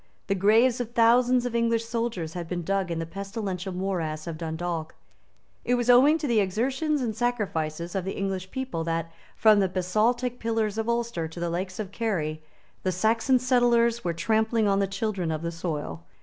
The graves of thousands of English soldiers had been dug in the pestilential morass of Dundalk. It was owing to the exertions and sacrifices of the English people that, from the basaltic pillars of Ulster to the lakes of Kerry, the Saxon settlers were trampling on the children of the soil.